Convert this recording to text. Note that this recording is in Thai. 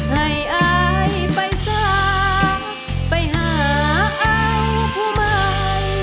ให้อายไปซะไปหาอายผู้บ่าย